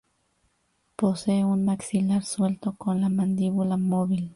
Posee un maxilar suelto con la mandíbula móvil.